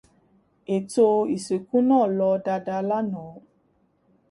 Ètò ìsìnkú náà lọ dada lánàá.